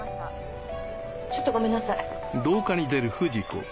ちょっとごめんなさい。